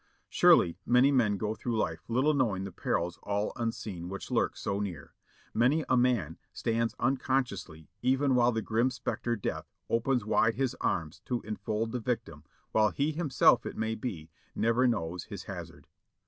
Surely many men go through life little knowing the perils all unseen which lurk so near; many a man stands unconsciously even while the grim spectre Death opens wide his arms to enfold the victim while he himself, it may be, never knows his hazard.